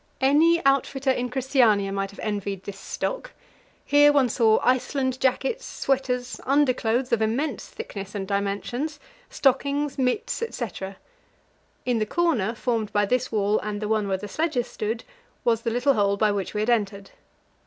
Any outfitter in Christiania might have envied this stock; here one saw Iceland jackets, sweaters, underclothes of immense thickness and dimensions, stockings, mits, etc. In the corner formed by this wall and the one where the sledges stood was the little hole by which we had entered.